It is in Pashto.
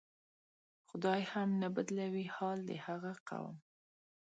خدای هم نه بدلوي حال د هغه قوم